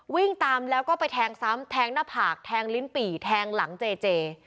วิ่งตามแล้วก็ไปแทงซ้ำแทงหน้าผากแทงลิ้นปี่แทงหลังเจเจ